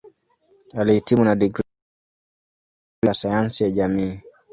Alihitimu na digrii ya Shahada ya Sanaa katika Sayansi ya Jamii.